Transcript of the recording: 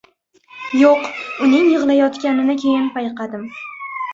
Yo‘q, uning yig‘layotganini keyin payqadim.